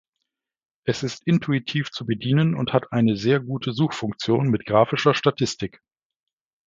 Es ist intuitiv zu bedienen und hat eine sehr gute Suchfunktion mit grafischer Statistik.